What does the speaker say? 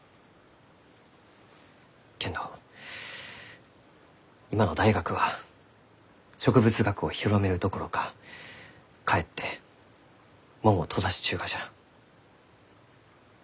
けんど今の大学は植物学を広めるどころかかえって門を閉ざしちゅうがじゃ。